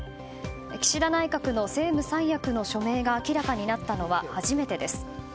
岸田内閣の政務三役の署名が明らかになったのは初めてです。